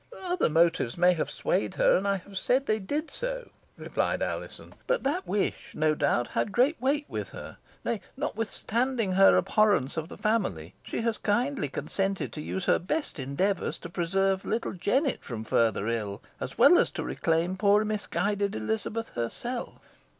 "Other motives may have swayed her, and I have said they did so," replied Alizon; "but that wish, no doubt, had great weight with her. Nay, notwithstanding her abhorrence of the family, she has kindly consented to use her best endeavours to preserve little Jennet from further ill, as well as to reclaim poor misguided Elizabeth herself."